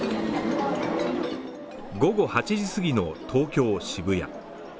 午後８時過ぎの東京・渋谷。